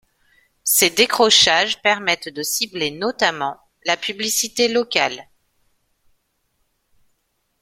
Ces décrochages permettent de cibler notamment la publicité locale.